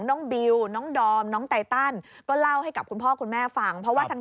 บิวน้องดอมน้องไตตันก็เล่าให้กับคุณพ่อคุณแม่ฟังเพราะว่าทาง